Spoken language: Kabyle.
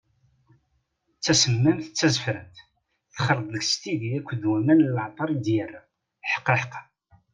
D tasemmamt, d tazefrant, texleḍ deg-s tidi akked waman n leɛṭer i d-yerra, ḥqaḥqa!